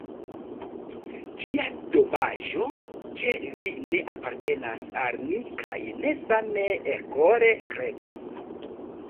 Kia domaĝo, ke vi ne apartenas al ni kaj ne same elkore kredas.